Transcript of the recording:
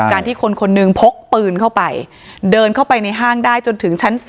ที่คนคนหนึ่งพกปืนเข้าไปเดินเข้าไปในห้างได้จนถึงชั้น๔